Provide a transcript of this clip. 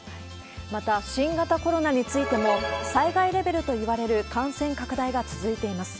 また、新型コロナについても、災害レベルといわれる感染拡大が続いています。